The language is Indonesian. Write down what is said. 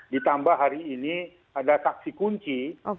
ditambah hari ini ada saksi kunci